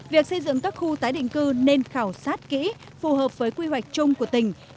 việc xây dựng các khu tái định cư nên khảo sát kỹ phù hợp với quy hoạch chung của tỉnh